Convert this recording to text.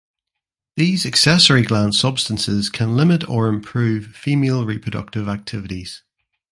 These accessory gland substances can limit or improve female reproductive activities.